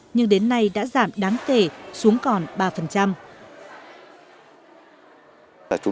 nhưng đến nay đã giảm đáng kể xuống còn ba